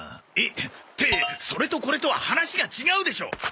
ってそれとこれとは話が違うでしょ！